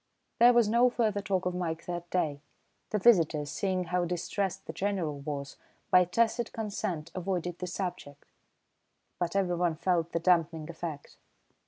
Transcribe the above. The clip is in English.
There was no further talk of Mike that day. The visitors, seeing how distressed the General was, by tacit consent avoided the subject, but everyone felt the dampening effect.